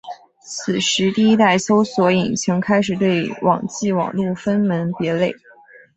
此时第一代搜寻引擎开始对网际网路分门别类。